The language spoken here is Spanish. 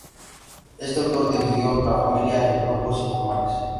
Este autor dividió la familia en grupos informales.